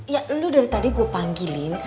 ya lu dari tadi gue panggilin